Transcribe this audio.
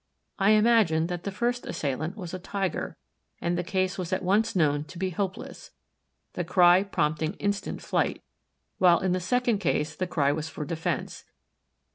I imagine that the first assailant was a Tiger, and the case was at once known to be hopeless, the cry prompting instant flight, while in the second case the cry was for defense.